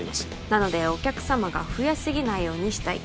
なのでお客様が増えすぎないようにしたい